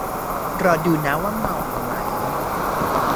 รอดูนะว่าเมามั้ย